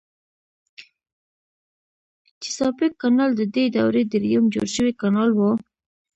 چیساپیک کانال ددې دورې دریم جوړ شوی کانال و.